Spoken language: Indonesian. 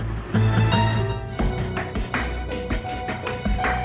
inilah risetnya okan